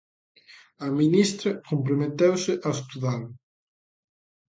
A ministra comprometeuse a estudalo.